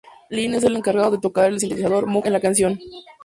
Lynne es el encargado de tocar el sintetizador Moog en la canción.